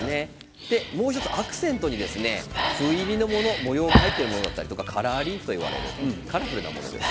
もう１つはアクセントにふ入りの模様が入っているものカラーリーフといわれるカラフルなものです。